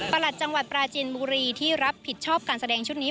หลัดจังหวัดปราจินบุรีที่รับผิดชอบการแสดงชุดนี้